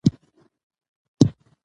که صفت وي نو څرنګوالی نه پټیږي.